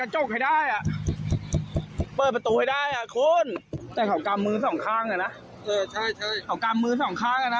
เช็คกำลังจะเผาอยู่ครับ